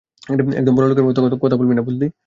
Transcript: একদম বড়োদের মতো কথা বলবি না, বুঝলি?